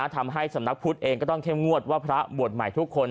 ทำให้สำนักพุทธเองก็ต้องเข้มงวดว่าพระบวชใหม่ทุกคน